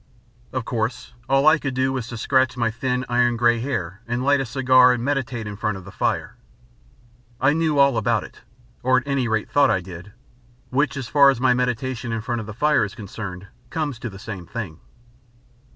Of course, all I could do was to scratch my thin iron grey hair and light a cigar and meditate in front of the fire. I knew all about it or at any rate I thought I did, which, as far as my meditation in front of the fire is concerned, comes to the same thing.